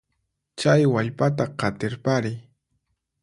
Chay wallpata qatirpariy.